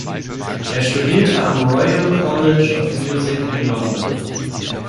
Er studierte am Royal College of Music in London.